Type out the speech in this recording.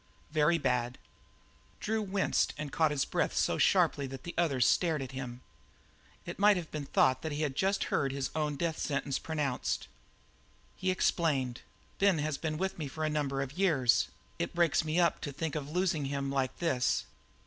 "Very bad." Drew winced and caught his breath so sharply that the others stared at him. It might have been thought that he had just heard his own death sentence pronounced. He explained: "Ben has been with me a number of years. It breaks me up to think of losing him like this."